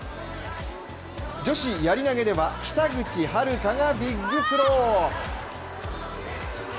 女子やり投では北口榛花がビッグスロー。